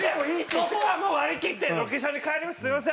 そこはもう割り切って「ロケ車に帰りますすみません」。